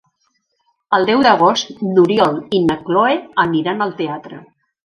El deu d'agost n'Oriol i na Cloè aniran al teatre.